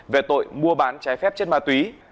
về tội mua bán trái phép chất ma túy